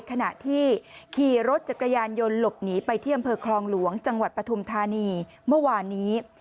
ขณะที่ขี่รถจักรยานยนต์หลบหนีไปที่อำเภอคลองหลวงจังหวัดปฐุมธานีเมื่อวานนี้